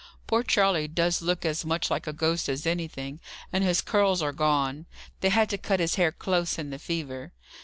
Poor Charley does look as much like a ghost as anything, and his curls are gone. They had to cut his hair close in the fever."